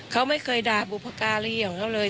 เขาไม่เคยด่าบุพการีของเขาเลย